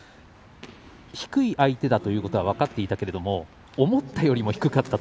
低い相手だということは分かっていたけれども思ったよりも低かった。